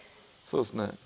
そうですね。